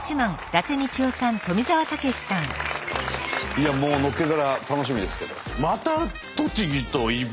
いやもうのっけから楽しみですけど。